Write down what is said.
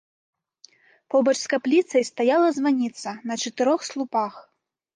Побач з капліцай стаяла званіца на чатырох слупах.